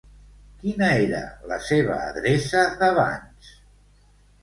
Quina era la seva adreça d'abans?